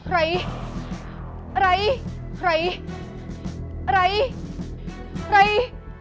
rai rai rai rai rai